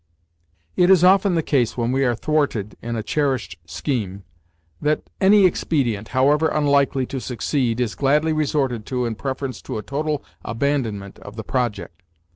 It is often the case when we are thwarted in a cherished scheme, that any expedient, however unlikely to succeed, is gladly resorted to in preference to a total abandonment of the project.